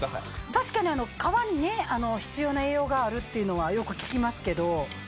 確かに皮に必要な栄養があるっていうのはよく聞きますけど。